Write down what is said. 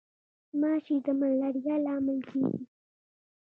ماشي د ملاریا لامل کیږي